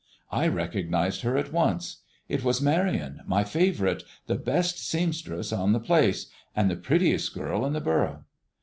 I recognized her at once. It was Marion, my favorite, the best seamstress on the place, and the prettiest girl in the borough.